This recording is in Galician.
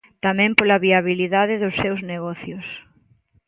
Temen pola viabilidade dos seus negocios.